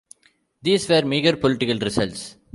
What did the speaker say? These were meagre political results.